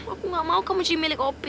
aku gak mau kamu jadi milik opi